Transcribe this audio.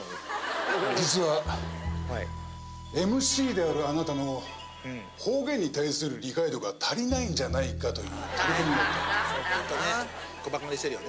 実はＭＣであるあなたの方言に対する理解力が足りないんじゃないかというタレコミがあった。